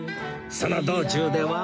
その道中では